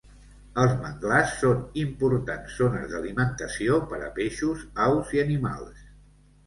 Els manglars són importants zones d'alimentació per a peixos, aus i animals.